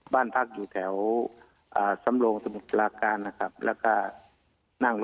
บ้านพักอยู่แถวทรัมลง